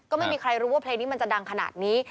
ก็ไม่มีใครรู้ว่าเพลงนี้มันจะดังขนาดนี้